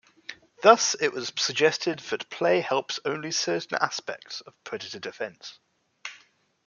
Thus, it was suggested that play helps develop only certain aspects of predator defence.